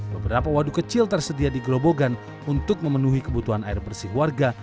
beberapa waduk kecil tersedia di gerobogan untuk memenuhi kebutuhan air bersih warga